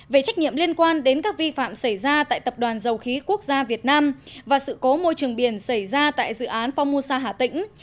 về trách nhiệm liên quan đến các vi phạm xảy ra tại tập đoàn dầu khí quốc gia việt nam và sự cố môi trường biển xảy ra tại dự án phongmosa hà tĩnh